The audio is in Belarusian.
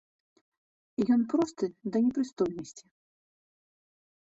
Ён просты да непрыстойнасці.